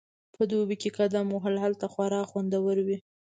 په دوبي کې قدم وهل هلته خورا خوندور وي